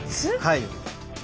はい。